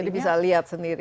jadi bisa lihat sendiri